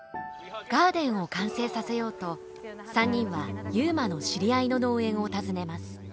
ガーデンを完成させようと３人は悠磨の知り合いの農園を訪ねます。